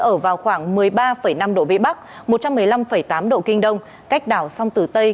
ở vào khoảng một mươi ba năm độ vĩ bắc một trăm một mươi năm tám độ kinh đông cách đảo sông tử tây